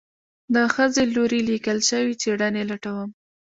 د ښځې لوري ليکل شوي څېړنې لټوم